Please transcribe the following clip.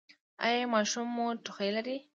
ایا ماشوم مو ټوخی لري؟